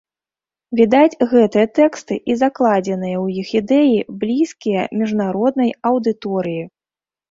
Відаць, гэтыя тэксты і закладзеныя ў іх ідэі блізкія міжнароднай аўдыторыі.